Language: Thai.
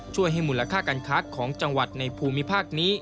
ช่วยให้มูลค่าการค้าของจังหวัดในภูมิภาคนี้